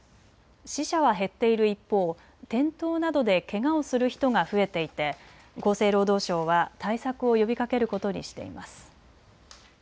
死者は減っている一方、転倒などでけがをする人が増えていて厚生労働省は対策を呼びかけることにしています。